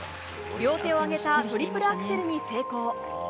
両手を上げたトリプルアクセルに成功。